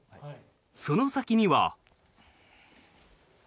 その先には。